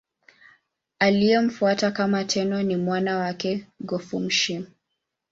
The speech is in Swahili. Aliyemfuata kama Tenno ni mwana wake Go-Fushimi.